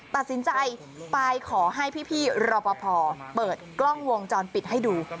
ตัดสินใจไปขอให้พี่รอปภเปิดกล้องวงจรปิดให้ดู